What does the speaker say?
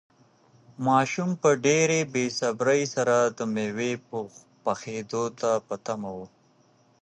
ماشوم په ډېرې بې صبري سره د مېوې پخېدو ته په تمه و.